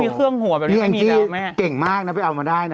เก่งมากนะไปเอามาได้นะ